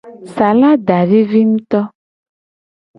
Salada vivi nguto.